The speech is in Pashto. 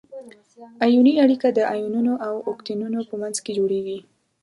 ایوني اړیکه د انیونونو او کتیونونو په منځ کې جوړیږي.